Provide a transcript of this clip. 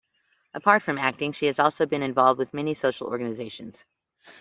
Apart from acting she has also been involved with many social organizations.